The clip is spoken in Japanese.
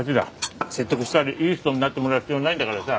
説得したりいい人になってもらう必要ないんだからさ。